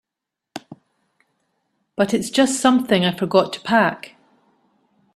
But it's just something I forgot to pack.